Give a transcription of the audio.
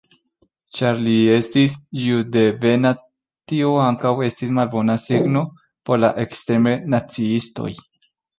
Ĉar li estis juddevena, tio ankaŭ estis malbona signo por la ekstreme naciistoj.